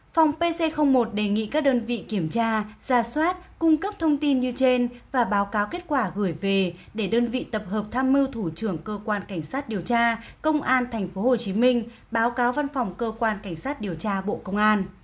phòng pc một đề nghị các đơn vị kiểm tra ra soát cung cấp thông tin như trên và báo cáo kết quả gửi về để đơn vị tập hợp tham mưu thủ trưởng cơ quan cảnh sát điều tra công an tp hcm báo cáo văn phòng cơ quan cảnh sát điều tra bộ công an